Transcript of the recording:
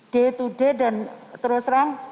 day to day dan terus terang